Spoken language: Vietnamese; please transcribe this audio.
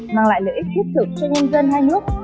mang lại lợi ích thiết thực cho nhân dân hai nước